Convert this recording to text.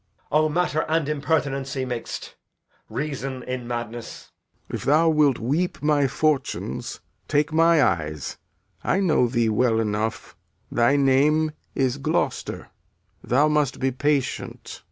So. Edg. O, matter and impertinency mix'd! Reason, in madness! Lear. If thou wilt weep my fortunes, take my eyes. I know thee well enough; thy name is Gloucester. Thou must be patient.